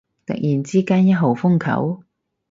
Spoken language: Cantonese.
突然之間一號風球？